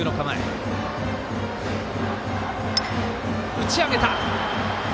打ち上げた。